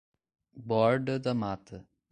Borda da Mata